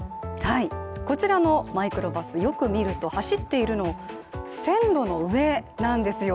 こちらのマイクロバス、よく見ると走っているの、線路の上なんですよ。